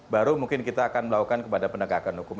baru mungkin kita akan melakukan kepada penegakan hukum